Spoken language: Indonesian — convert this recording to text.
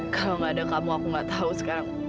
kalau gak ada kamu aku gak tau sekarang